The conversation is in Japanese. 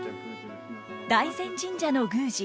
大膳神社の宮司